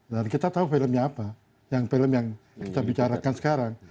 dan kita tahu filmnya apa yang film yang kita bicarakan sekarang